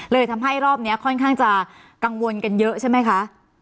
เลยทำให้รอบนี้ค่อนข้างจะกังวลกันเยอะใช่ไหมคะ